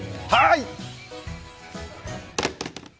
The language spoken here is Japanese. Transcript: はい！